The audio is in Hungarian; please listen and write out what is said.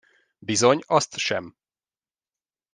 Bizony azt sem!